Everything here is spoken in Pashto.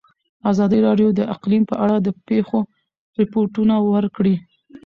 ازادي راډیو د اقلیم په اړه د پېښو رپوټونه ورکړي.